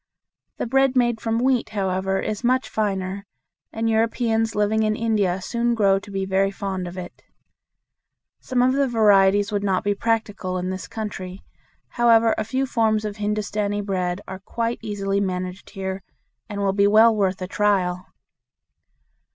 The bread made from wheat, however, is much finer, and Europeans living in India soon grow to be very fond of it. Some of the varieties would not be practical in this country. However, a few forms of Hindustani bread are quite easily managed here, and will well be worth a trial.